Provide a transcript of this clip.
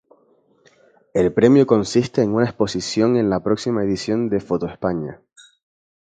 El premio consiste en una exposición en la próxima edición de Photoespaña.